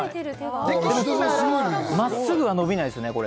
真っすぐは伸びないですね。